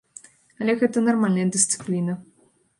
Але гэта нармальная дысцыпліна.